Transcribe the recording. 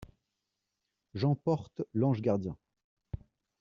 J'emporte l'ange gardien.